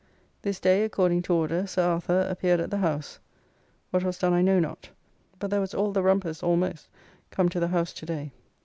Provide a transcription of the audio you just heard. This day, according to order, Sir Arthur [Haselrigge] appeared at the House; what was done I know not, but there was all the Rumpers almost come to the House to day.